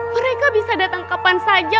mereka bisa datang kapan saja